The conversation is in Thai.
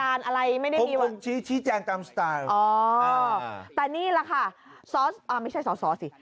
อะไรไม่ได้ดีวะอ๋อแต่นี่แหละค่ะซอสไม่ใช่ซอสสิ